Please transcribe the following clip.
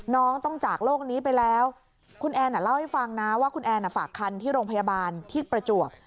น้องต้องจากโลกนี้ไปแล้วคุณแอนเล่าให้ฟังนะว่าคุณแอนฝากคันที่โรงพยาบาลที่ประจวบ